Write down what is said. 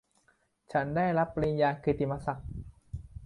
ฉันได้รับปริญญากิตติมศักดิ์